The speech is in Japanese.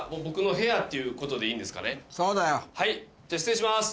はいじゃあ失礼します。